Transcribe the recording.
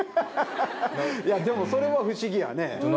でもそれは不思議やね。